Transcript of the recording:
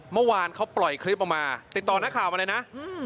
เมื่อวานเขาปล่อยคลิปออกมาติดต่อนักข่าวมาเลยนะ